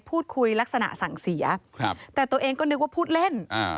พูดคุยลักษณะสั่งเสียครับแต่ตัวเองก็นึกว่าพูดเล่นอ่า